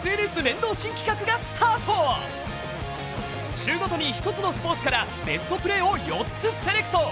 週末に１つのスポーツからベストプレーを４つセレクト。